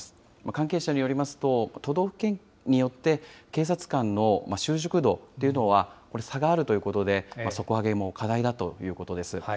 関係者によりますと、都道府県によって、警察官の習熟度というのはこれ、差があるということで、底上げも課題だということです。